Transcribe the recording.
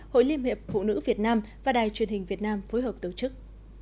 hội liên hiệp phụ nữ việt nam và đài truyền hình việt nam phối hợp tổ chức